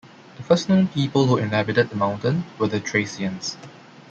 The first known people who inhabited the mountain were the Thracians.